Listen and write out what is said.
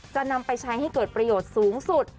จะนำไปใช้ให้เกิดประโยชน์สูงสุด